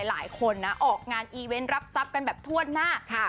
หลายคนนะออกงานอีเวนต์รับทรัพย์กันแบบทั่วหน้า